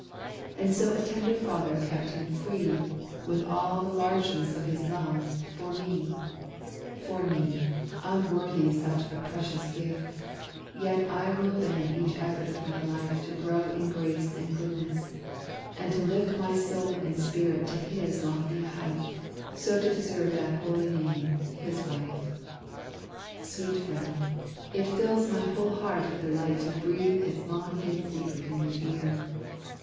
And so a tender Father kept him free, With all the largeness of his love, for me For me, unworthy such a precious gift! Yet I will bend each effort of my life To grow in grace and goodness, and to lift My soul and spirit to his lofty height, So to deserve that holy name, his wife. Sweet friend, it fills my whole heart with delight To breathe its long hid secret in your ear.